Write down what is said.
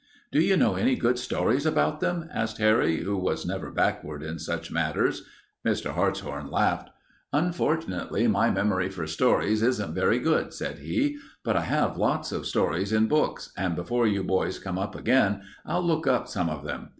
"Do you know any good stories about them?" asked Harry, who was never backward in such matters. Mr. Hartshorn laughed. "Unfortunately my memory for stories isn't very good," said he, "but I have lots of stories in books, and before you boys come up again, I'll look up some of them.